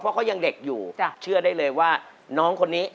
เพราะเขายังเด็กอยู่เชื่อได้เลยว่าน้องคนนี้